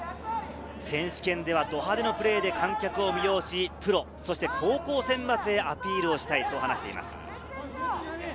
選手権ではど派手なプレーで観客を魅了し、プロ、高校選抜へアピールしたいと話しています。